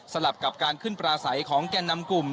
ลับกับการขึ้นปราศัยของแก่นำกลุ่ม